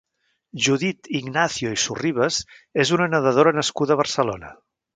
Judit Ignacio i Sorribes és una nedadora nascuda a Barcelona.